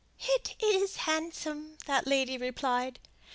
"It is handsome," that lady replied.